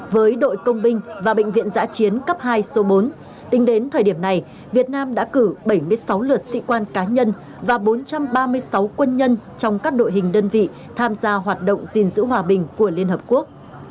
với đội công binh và bệnh viện giã chiến cấp hai số bốn tính đến thời điểm này việt nam đã cử bảy mươi sáu lượt sĩ quan cá nhân và bốn trăm ba mươi sáu quân nhân trong các đội hình đơn vị tham gia hoạt động gìn giữ hòa bình của liên hợp quốc